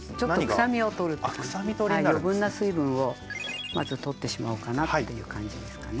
はい余分な水分をまず取ってしまおうかなっていう感じですかね。